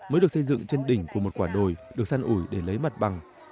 mới được xây dựng trên đỉnh của một quả đồi được săn ủi để lấy mặt bằng